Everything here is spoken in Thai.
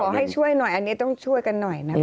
ให้ช่วยหน่อยอันนี้ต้องช่วยกันหน่อยนะคะ